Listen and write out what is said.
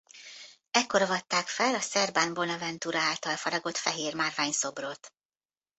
Ekkor avatták fel a Serban Bonaventura által faragott fehér márvány szobrot.